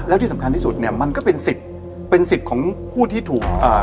แล้วที่สำคัญที่สุดเนี่ยมันก็เป็นสิทธิ์เป็นสิทธิ์ของผู้ที่ถูกอ่า